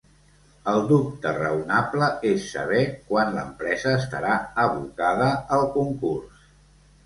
El dubte raonable és saber quan l’empresa estarà abocada al concurs.